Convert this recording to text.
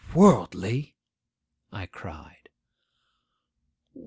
'Worldly?' I cried.